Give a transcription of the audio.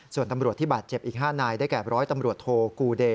ส่วนตำรวจที่บาดเจ็บอีก๕นายได้แก่ร้อยตำรวจโทกูเด